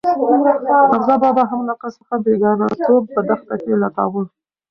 حمزه بابا هم له عقل څخه بېګانه توب په دښته کې لټاوه.